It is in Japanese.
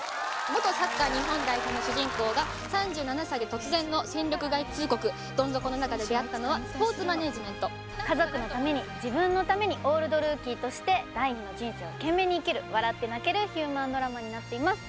元サッカー日本代表の主人公が３７歳で突然の戦力外通告どん底の中で出会ったのはスポーツマネージメント家族のために自分のためにオールドルーキーとして第二の人生を懸命に生きる笑って泣けるヒューマンドラマになっています